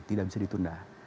tidak bisa ditunda